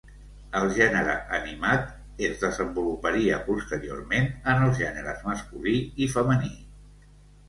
El gènere animat es desenvoluparia posteriorment en els gèneres masculí i femení.